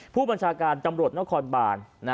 ผู้บัญชาการตำรวจนครบาน